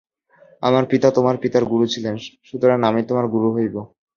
আমার পিতা তোমার পিতার গুরু ছিলেন, সুতরাং আমি তোমার গুরু হইব।